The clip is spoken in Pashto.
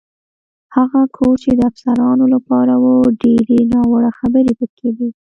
هغه کور چې د افسرانو لپاره و، ډېرې ناوړه خبرې پکې کېدې.